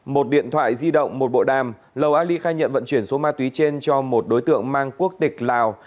một điện thoại di động một bộ đàm lầu ali khai nhận vận chuyển số ma túy trên cho một đối tượng mang quốc tịch lào